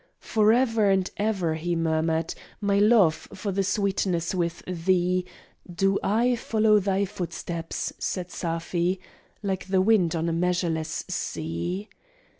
"For ever and ever," he murmured, "My love, for the sweetness with thee, Do I follow thy footsteps," said Safi, "Like the wind on a measureless sea."